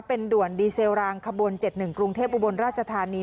เป็นด่วนดีเซลรางขบวน๗๑กรุงเทพอุบลราชธานี